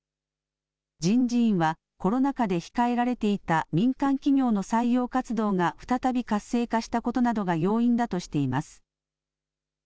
人事院はコロナ禍で控えられていた民間企業の採用活動が再び活性化したことなどが要因だとしています。